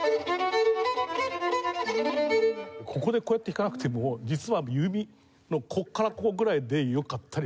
ここでこうやって弾かなくても実は弓のここからここぐらいでよかったりするんです。